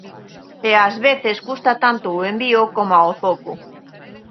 E ás veces custa tanto o envío coma o zoco.